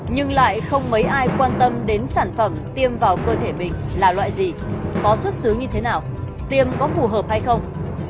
nhưng lại không mấy ai quan tâm đến sản phẩm tiêm vào cơ thể mình là loại gì có xuất xứ như thế nào tiêm có phù hợp hay không